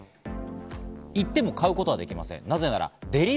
このお店、行っても買うことはできません。